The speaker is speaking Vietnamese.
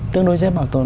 tương đối dễ bảo tồn